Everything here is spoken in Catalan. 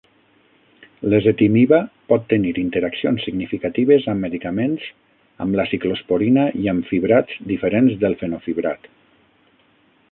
L'ezetimiba pot tenir interaccions significatives amb medicaments amb la ciclosporina i amb fibrats diferents del fenofibrat.